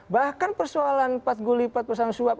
bahkan persoalan empat guli empat persoalan suap